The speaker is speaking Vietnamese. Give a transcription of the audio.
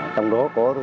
trong đó có lực lượng